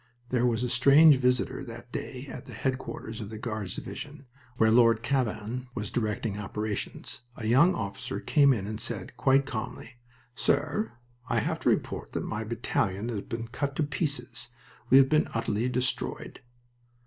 There was a strange visitor that day at the headquarters of the Guards division, where Lord Cavan was directing operations. A young officer came in and said, quite calmly: "Sir, I have to report that my battalion has been cut to pieces. We have been utterly destroyed."